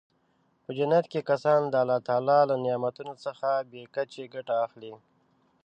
په جنت کې کسان د الله تعالی له نعمتونو څخه بې کچې ګټه اخلي.